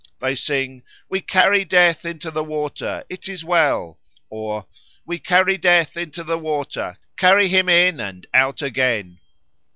They sing, "We carry Death into the water, it is well," or "We carry Death into the water, carry him in and out again."